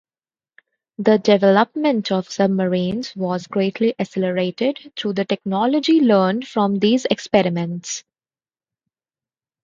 The development of submarines was greatly accelerated through the technology learned from these experiments.